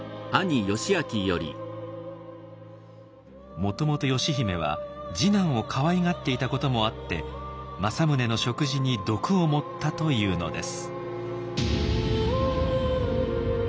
もともと義姫は次男をかわいがっていたこともあって政宗の食事に毒を盛ったというのです。